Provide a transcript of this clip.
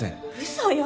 嘘よ。